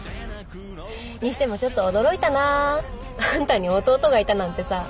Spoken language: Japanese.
にしてもちょっと驚いたなぁあんたに弟がいたなんてさ。